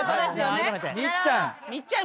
みっちゃん。